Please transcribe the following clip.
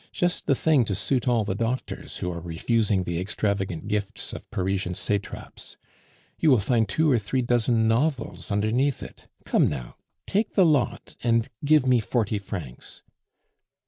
Just the thing to suit all the doctors, who are refusing the extravagant gifts of Parisian satraps. You will find two or three dozen novels underneath it. Come, now, take the lot and give me forty francs."